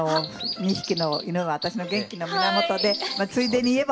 ２匹の犬は私の元気の源でついでに言えば夫も源です。